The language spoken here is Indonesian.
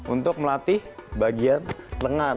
untuk melatih bagian lengan